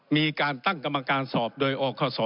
มีการตั้งกรรมการสอบโดยออกข้อสอ